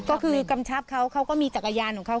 ก็คือกำชับเขาเขาก็มีจักรยานของเขา